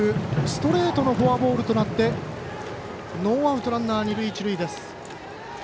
ストレートのフォアボールとなりノーアウトランナー、二塁一塁。